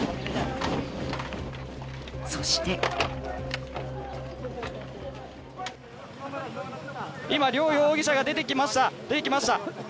そして今、両容疑者が出てきました。